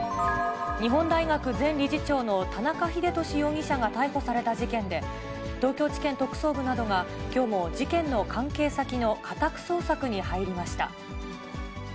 日本大学前理事長の田中英壽容疑者が逮捕された事件で、東京地検特捜部などが、きょうも事件の関係先の家宅捜索に入りました。